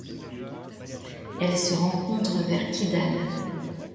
Elle se rencontre vers Kidal.